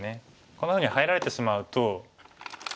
こんなふうに入られてしまうと。